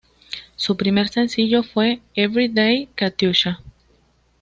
Su primer sencillo fue "Everyday, Katyusha".